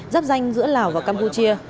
giáp danh giữa lào và campuchia